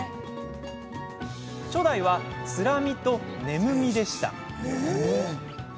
初代は、つらみと眠みでした。